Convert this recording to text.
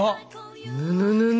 ぬぬぬぬ。